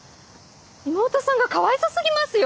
妹さんがかわいそすぎますよ。